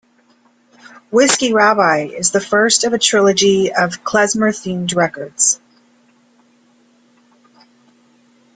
"Whiskey Rabbi" is the first of a trilogy of klezmer-themed records.